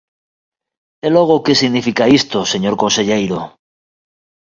E logo, ¿que significa isto, señor conselleiro?